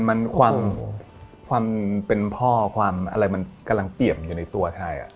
มันความเป็นพ่อความอะไรมันกำลังเปี่ยมอยู่ในตัวไทย